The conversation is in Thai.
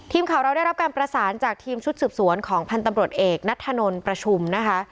ทีมข่าวเราได้รับการประสานจากทีมชุดสืบสวนของพันธุ์ตำรวจเอกนัทธนลประชุมนะคะ